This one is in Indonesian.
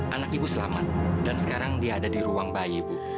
anak ibu selamat dan sekarang dia ada di ruang bayi bu